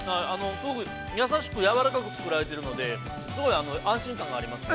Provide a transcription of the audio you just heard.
すごく優しくやわらかく作られているので、すごい安心感がありますね。